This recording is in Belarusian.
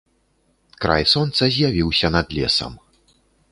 Край сонца з'явіўся над лесам.